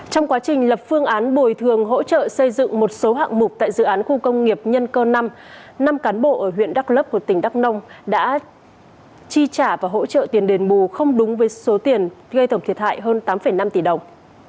trong quá trình lập phương án bồi thường hỗ trợ xây dựng một số hạng mục tại dự án khu công nghiệp nhân cơ năm năm cán bộ ở huyện đắk lấp của tỉnh đắk nông đã chi trả và hỗ trợ tiền đền bù không đúng với số tiền gây tổng thiệt hại hơn tám năm tỷ đồng